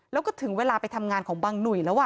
แล้วก็ถึงเวลาไปทำงานของบังหนุ่ยแล้ว